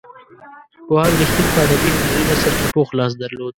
پوهاند رښتین په ادبي هنري نثر کې پوخ لاس درلود.